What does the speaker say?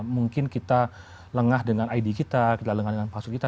mungkin kita lengah dengan id kita kita lengah dengan pasu kita